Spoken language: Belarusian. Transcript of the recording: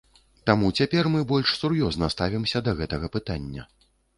Таму цяпер мы больш сур'ёзна ставімся да гэтага пытання.